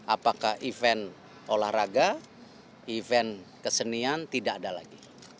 apakah event olahraga event kesenian tidak ada lagi